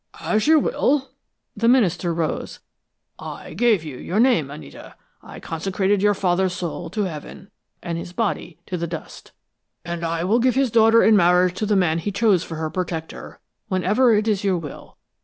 "As you will." The minister rose. "I gave you your name, Anita. I consecrated your father's soul to Heaven, and his body to the dust, and I will give his daughter in marriage to the man he chose for her protector, whenever it is your will.